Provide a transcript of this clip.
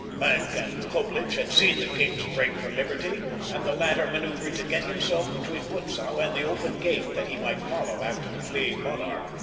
Maenck and Coblich had seen the king's break for liberty, and the latter maneuvered to get himself between Butzow and the open gate that he might follow after the fleeing monarch.